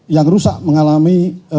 yang rusak mengalami